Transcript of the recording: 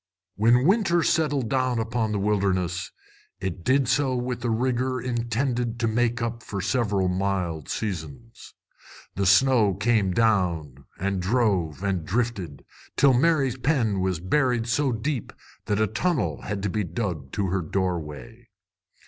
When winter settled down upon the wilderness, it did so with a rigor intended to make up for several mild seasons. The snow came down, and drove, and drifted, till Mary's pen was buried so deep that a tunnel had to be dug to her doorway.